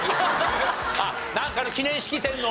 あっなんかの記念式典の。